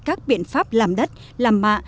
các biện pháp làm đất làm mạ